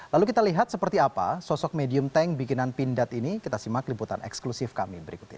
lalu kita lihat seperti apa sosok medium tank bikinan pindad ini kita simak liputan eksklusif kami berikut ini